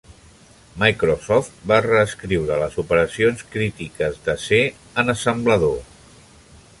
Microsoft va reescriure les operacions crítiques de C en assemblador.